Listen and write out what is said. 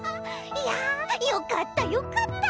いやよかったよかった！